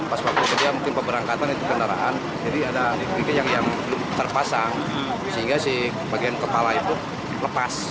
pas waktu kejadian mungkin peberangkatan itu kendaraan jadi ada yang terpasang sehingga bagian kepala itu lepas